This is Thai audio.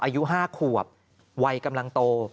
อายุ๕ขวบวัยกำลังโต